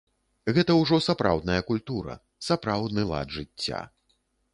Гэта ўжо сапраўдная культура, сапраўдны лад жыцця.